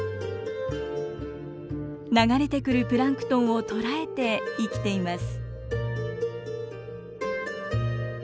流れてくるプランクトンを捕らえて生きています。